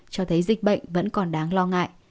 cho thấy dịch bệnh vẫn còn đáng lo ngại